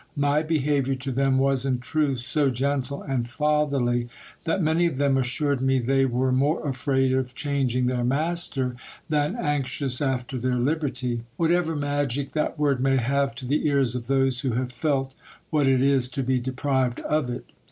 My behaviour to them was, in truth, so gentle and fatherly, that many of them assured me they were more afraid of changing their master than anxious after their liberty ; whatever magic that word may have to the ears of those who have felt what it is to be deprived of it.